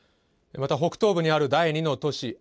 また北東部にある第２の都市